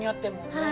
はい。